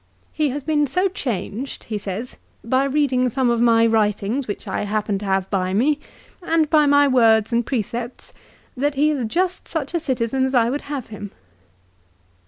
" He has been so changed," he says, " by reading some of my writings which I happened to have by me, and by my words and precepts, that he is just such a citizen as I would have him."